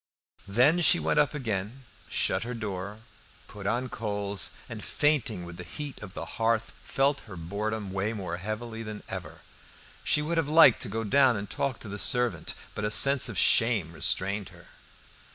Then she went up again, shut her door, put on coals, and fainting with the heat of the hearth, felt her boredom weigh more heavily than ever. She would have liked to go down and talk to the servant, but a sense of shame restrained her.